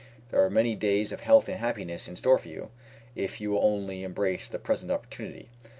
There are many days of health and happiness in store for you, if you will only embrace the present opportunity.